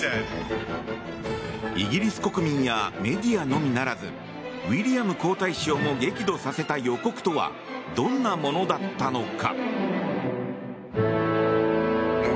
イギリス国民やメディアのみならずウィリアム皇太子をも激怒させた予告とはどんなものだったのか。